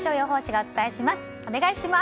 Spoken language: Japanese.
お願いします。